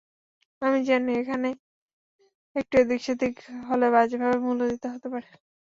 আমি জানি, এখানে একটু এদিক-সেদিক হলে বাজেভাবে মূল্য দিতে হতে পারে।